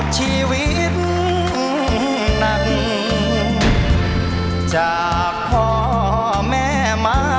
ช่วยฝังดินหรือกว่า